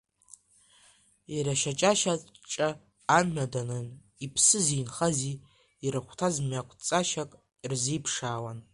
Иара шьаҿашьаҿа амҩа данын, иԥсызи инхази ирыхәҭаз мҩақәҵашьак рзиԥшаауан.